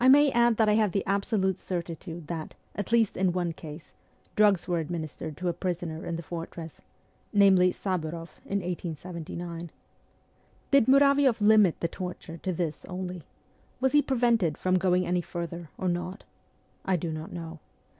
I may add that I have the absolute certitude that at least in one case drugs were administered to a prisoner in the fortress namely, ' Sabiiroff,' in 1879. Did Muravi6ff limit the torture to this only? Was he prevented from going any further, or not ? I do not know.